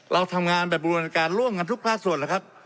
เราทำงานแบบบริมัติการล่วงกันทุกภาคส่วน